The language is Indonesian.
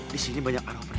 disini banyak aromanya